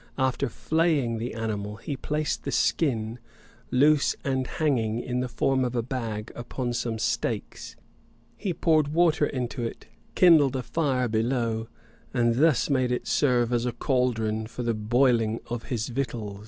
After flaying the animal, he placed the skin, loose and hanging in the form of a bag, upon some stakes; he poured water into it, kindled a fire below, and thus made it serve as a caldron for the boiling of his victuals.